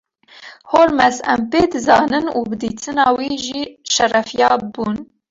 Holmes: Em pê dizanin û bi dîtina wî jî şerefyab bûn.